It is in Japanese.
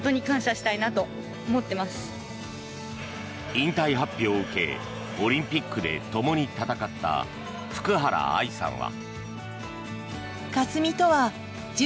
引退発表を受けオリンピックでともに戦った福原愛さんは。